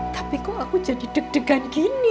tapi kok aku jadi deg degan gini